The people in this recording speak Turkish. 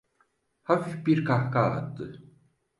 Hafif bir kahkaha attı.